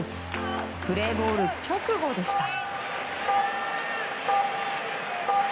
プレーボール直後でした。